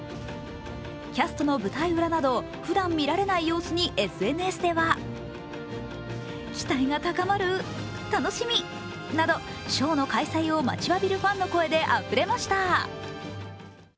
キャストの舞台裏などふだん見られない様子にＳＮＳではショーの開催を待ちわびるファンの声であふれました。